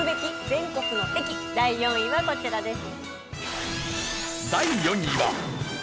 全国の駅第４位はこちらです。